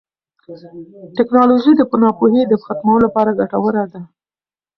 ټیکنالوژي د ناپوهۍ د ختمولو لپاره ګټوره ده.